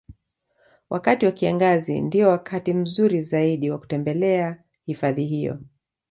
Wakati wa kiangazi ndiyo wakati mzuri zaidi wa kutembelea hifadhi hiyo